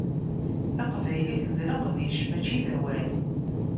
Taqbaylit d leqdic mačči d awal.